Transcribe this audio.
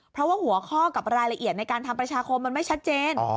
เพราะว่าหัวข้อกับรายละเอียดในการทำประชาคมมันไม่ชัดเจน